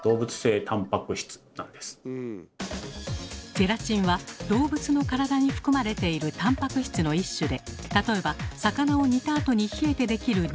ゼラチンは動物の体に含まれているたんぱく質の一種で例えば魚を煮たあとに冷えて出来る煮こごり。